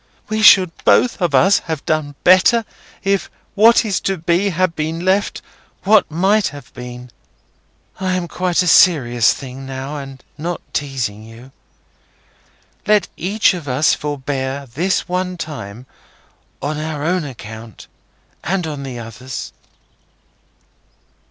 We should both of us have done better, if What is to be had been left What might have been. I am quite a little serious thing now, and not teasing you. Let each of us forbear, this one time, on our own account, and on the other's!"